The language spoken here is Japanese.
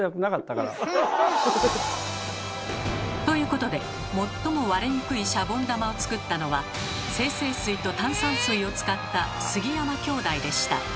ということで最も割れにくいシャボン玉を作ったのは精製水と炭酸水を使った杉山兄弟でした。